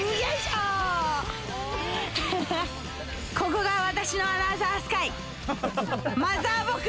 ここが私のアナザースカイです！